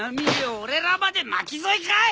俺らまで巻き添えかい！